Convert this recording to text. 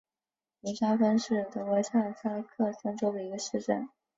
维沙芬是德国下萨克森州的一个市镇。